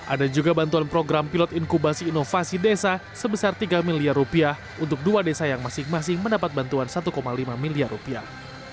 ada juga bantuan program pilot inkubasi inovasi desa sebesar tiga miliar rupiah untuk dua desa yang masing masing mendapat bantuan satu lima miliar rupiah